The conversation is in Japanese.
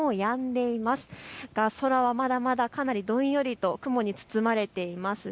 ですが、空はまだまだどんよりと雲に包まれています。